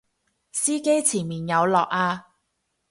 司機前面有落啊！